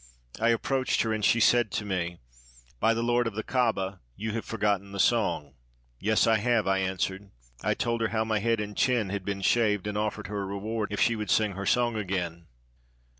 I approached her, and she said to me: "By the Lord of the Kaaba, you have for gotten the song!" *' Yes, I have," I answered. I told her how my head and chin had been shaved, and offered her a reward if she would sing her song again.